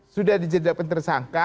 sudah dijadikan tersangka